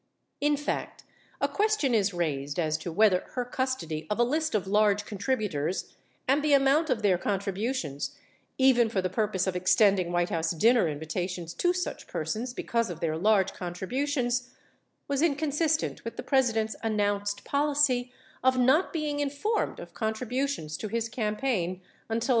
42 In fact, a question is raised as to Avhether her cus tody of a list of large contributors — and the amount of their contri butions — even for the purpose of extending White House dinner in vitations to such persons because of their large contributions Avas in consistent Avith the President's announced policy of not being in formed of contributions to his campaign until after the election.